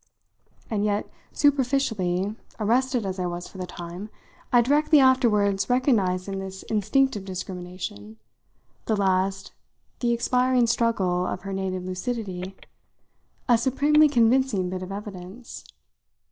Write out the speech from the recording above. And yet, superficially arrested as I was for the time, I directly afterwards recognised in this instinctive discrimination the last, the expiring struggle of her native lucidity a supremely convincing bit of evidence.